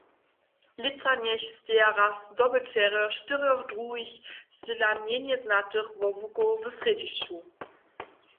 Lětsa njech steja raz dobyćerjo štyrjoch druhich, zdźěla mjenje znatych wobłukow w srjedźišću.